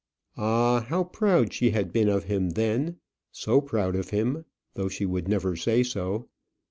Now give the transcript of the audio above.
Ah, how proud she had been of him then so proud of him, though she would never say so!